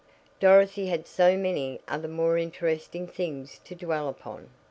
Dorothy had so many other more interesting things to dwell upon.